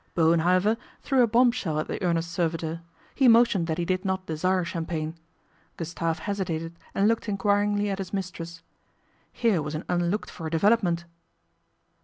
Bowen, however, threw a bomb shell at the earnest servitor. He motioned that he did not desire champagne. Gustave hesitated and looked enquiringly at his mistress. Here was an unlooked for development.